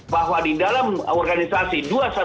bahwa di dalam organisasi dua ratus dua belas